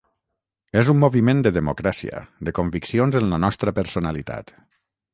És un moviment de democràcia, de conviccions en la nostra personalitat.